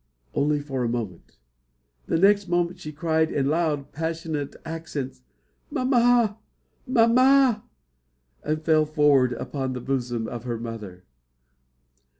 Only for a moment. The next moment she cried in loud, passionate accents, "Mamma! mamma!" and fell forward upon the bosom of her mother!